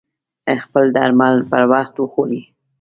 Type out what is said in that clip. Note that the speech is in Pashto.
خپل درمل پر وخت وخوری